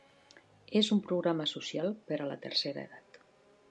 És un programa social per a la tercera edat.